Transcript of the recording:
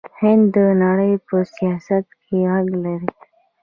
هند د نړۍ په سیاست کې غږ لري.